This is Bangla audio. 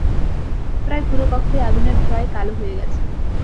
প্রায় পুরো কক্ষই আগুনের ধোঁয়ায় কালো হয়ে গেছে।